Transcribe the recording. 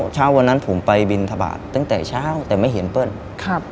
เช้าวันนั้นผมไปบินทบาทตั้งแต่เช้าแต่ไม่เห็นเปิ้ลครับ